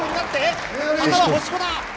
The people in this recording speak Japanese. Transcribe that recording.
旗は星子だ！